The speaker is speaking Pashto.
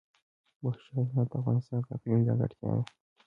وحشي حیوانات د افغانستان د اقلیم ځانګړتیا ده.